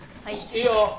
・いいよ。